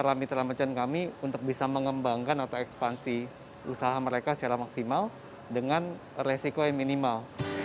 ramitraan kami untuk bisa mengembangkan atau ekspansi usaha mereka secara maksimal dengan resiko yang minimal